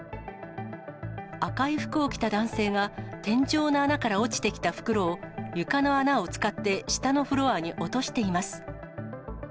赤い服を着た男性が天井の穴から落ちてきた袋を、床の穴を使って下のフロアに落としています。